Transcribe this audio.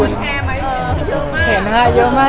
เห็นคุณแชร์ไหมมีเยอะมากเห็นค่ะเยอะมาก